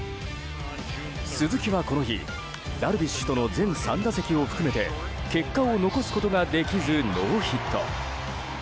鈴木はこの日、ダルビッシュとの全３打席を含めて結果を残すことができずノーヒット。